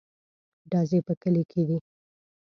_ډزې په کلي کې دي.